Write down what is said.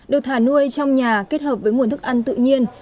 được thả nuôi trong nhà kết hợp với nguồn thức ăn tự nhiên